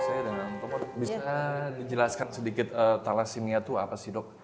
saya dengan teman bisa dijelaskan sedikit thalassemia itu apa sih dok